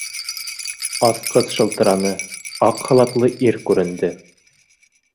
Асҡыс шылтыраны, аҡ халатлы ир күренде.